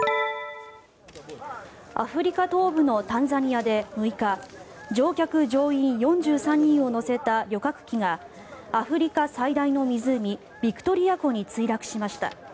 アフリカ東部のタンザニアで６日乗客・乗員４３人を乗せた旅客機がアフリカ最大の湖ビクトリア湖に墜落しました。